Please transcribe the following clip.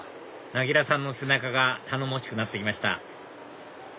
なぎらさんの背中が頼もしくなってきました